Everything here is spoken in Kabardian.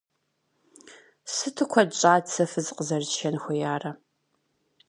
Сыту куэд щӀат сэ фыз къызэрысшэн хуеярэ!